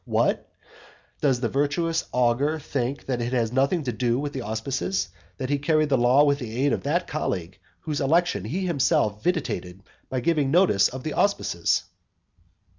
What? does the virtuous augur think that it has nothing to do with the auspices, that he carried the law with the aid of that colleague whose election he himself vitiated by giving notice of the auspices?